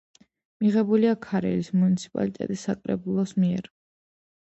მიღებულია ქარელის მუნიციპალიტეტის საკრებულოს მიერ.